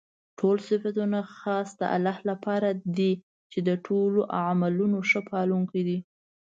ټول صفتونه خاص د الله لپاره دي چې د ټولو عالَمونو ښه پالونكى دی.